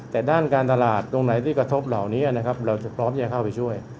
แต่ด้านการตลาดตรงไหนที่กระทบเหล่านี้นะครับเราจะพร้อมที่จะเข้าไปช่วย